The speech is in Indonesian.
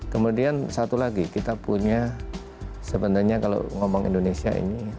kemudian satu lagi kita punya sebenarnya kalau ngomong indonesia ini